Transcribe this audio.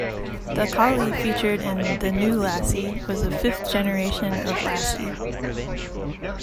The collie featured in "The New Lassie" was a fifth generation of Lassie.